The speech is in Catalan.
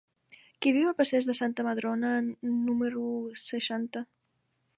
Qui viu al passeig de Santa Madrona número seixanta?